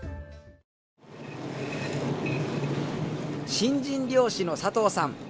新人漁師の佐藤さん。